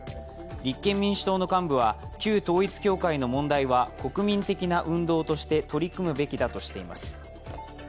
立憲民主党の幹部は旧統一教会の問題は国民的な運動として取り組むべきだとしています。